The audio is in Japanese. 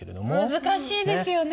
難しいですよね。